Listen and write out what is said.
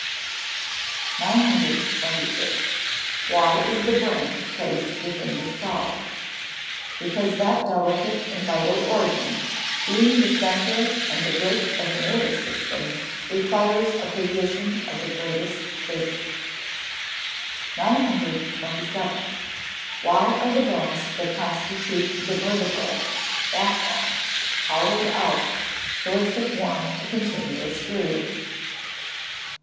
926. Why is the brain placed within the skull? Because that delicate and vital organ, being the centre and the root of the nervous system, requires a position of the greatest safety. 927. _Why are the bones that constitute the vertebræ (back bone) hollowed out, so as to form a continuous groove?